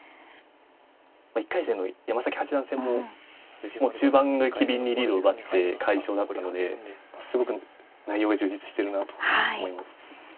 １回戦の山崎八段戦も中盤で機敏にリードを奪って快勝だったのですごく内容が充実してるなと思います。